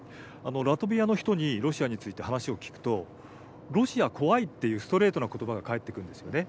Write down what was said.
ラトビアの人にロシアについて話を聞くとロシア怖いっていうストレートな言葉が返ってくるんですよね。